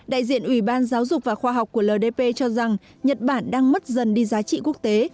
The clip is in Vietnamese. đại diện ủy ban giáo dục và khoa học của ldp cho rằng nhật bản đang mất dần đi giá trị quốc tế